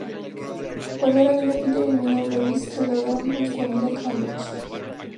Cuando era niño, Peter y Minor Lewis trasladaron su familia a Cambridge.